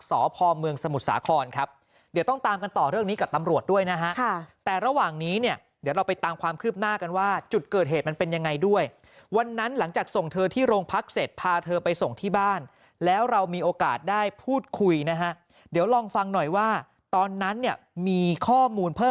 สพเมืองสมุทรสาครครับเดี๋ยวต้องตามกันต่อเรื่องนี้กับตำรวจด้วยนะฮะค่ะแต่ระหว่างนี้เนี่ยเดี๋ยวเราไปตามความคืบหน้ากันว่าจุดเกิดเหตุมันเป็นยังไงด้วยวันนั้นหลังจากส่งเธอที่โรงพักเสร็จพาเธอไปส่งที่บ้านแล้วเรามีโอกาสได้พูดคุยนะฮะเดี๋ยวลองฟังหน่อยว่าตอนนั้นเนี่ยมีข้อมูลเพิ่ม